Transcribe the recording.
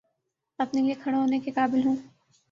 اپنے لیے کھڑا ہونے کے قابل ہوں